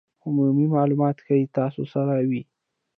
عمومي مالومات ښایي تاسو سره وي